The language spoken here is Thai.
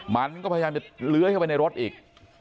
มันก็พยายามจะเลื้อยเข้าไปในรถอีก